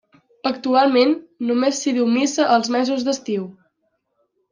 Actualment només s'hi diu missa els mesos d'estiu.